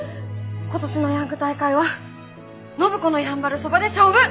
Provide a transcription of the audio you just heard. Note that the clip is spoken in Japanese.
今年のヤング大会は暢子のやんばるそばで勝負！